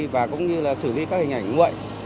và cũng như là xử lý các hình ảnh nguội